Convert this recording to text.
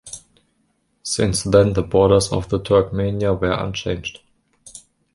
Since then the borders of the Turkmenia were unchanged.